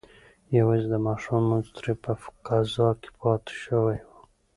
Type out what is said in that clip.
یوازې د ماښام لمونځ ترې په قضا کې پاتې شوی و.